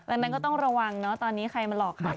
ดังนั้นก็ต้องระวังเนอะตอนนี้ใครมาหลอกขาย